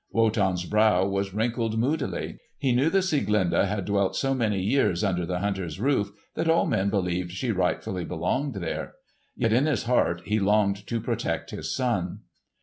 Wotan's brow was wrinkled moodily. He knew that Sieglinde had dwelt so many years under the hunter's roof that all men believed she rightfully belonged there. Yet in his heart he longed to protect his son.